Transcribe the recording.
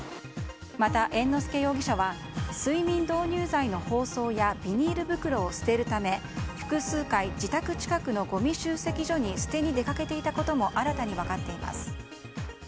また、猿之助容疑者は睡眠導入剤の包装やビニール袋を捨てるため複数回、自宅近くのごみ集積所に捨てに出かけていたことも新たに分かっています。